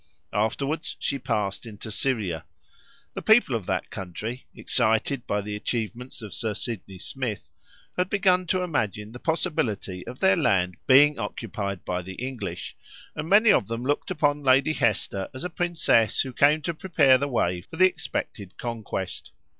Afterwards she passed into Syria. The people of that country, excited by the achievements of Sir Sidney Smith, had begun to imagine the possibility of their land being occupied by the English, and many of them looked upon Lady Hester as a princess who came to prepare the way for the expected conquest.